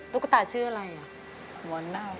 ตุ๊กตาชื่ออะไรอะ